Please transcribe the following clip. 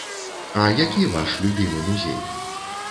А які ваш любімы музей?